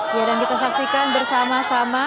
kita saksikan bersama sama